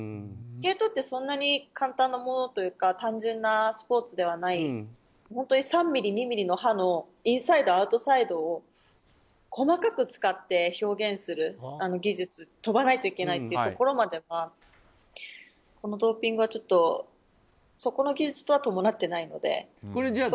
スケートってそんなに簡単なものというか単純なスポーツではない本当に３ｍｍ、２ｍｍの刃のインサイド、アウトサイドを細かく使って表現する技術跳ばないといけないというところまではこのドーピングはちょっとそこの技術とは伴っていないので。